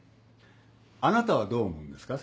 あなたはどう思うんですか？